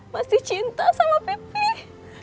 masih cinta sama pipih